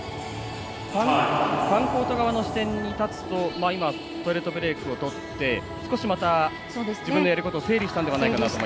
ファンコート側の視点に立つと今、トイレットブレークをとって少しまた自分のやることを整理したと思いますが。